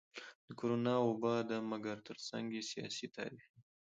د کرونا وبا ده مګر ترڅنګ يې سياسي, تاريخي,